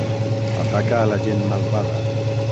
Ataca a la gent malvada.